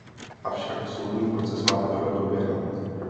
Avšak soudní proces má teprve proběhnout.